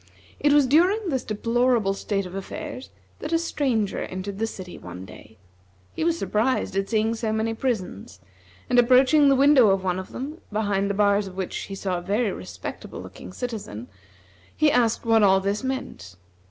It was during this deplorable state of affairs that a stranger entered the city one day. He was surprised at seeing so many prisons, and approaching the window in one of them, behind the bars of which he saw a very respectable looking citizen, he asked what all this meant.